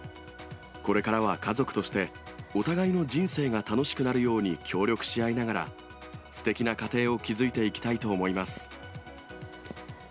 これからは家族として、お互いの人生が楽しくなるように、協力し合いながら、すてきな家庭を築いていきたいと思います。